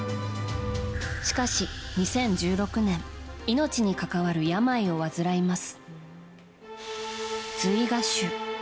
しかし、２０１６年命に係わる病を患います。